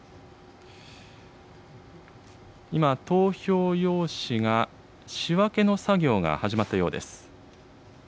今、投票用紙が、仕分けの作業が始まったようです。